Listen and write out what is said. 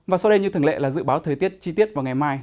và sau đây như thường lệ là dự báo thời tiết chi tiết vào ngày mai